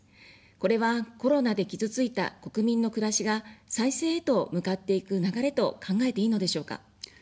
これは、コロナで傷ついた国民の暮らしが再生へと向かっていく流れと考えていいのでしょうか。